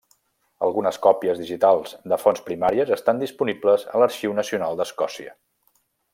Algunes còpies digitals de fonts primàries estan disponibles a l'Arxiu Nacional d'Escòcia.